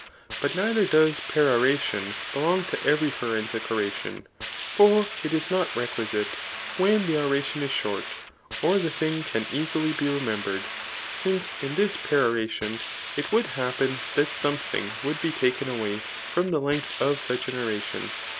But neither does peroration belong to every forensic oration ; for it is not requisite, when the oration is short, or the thing can easily be remem bered ; since in this peroration it would happen that some thing would be taken away from the length of such an oration.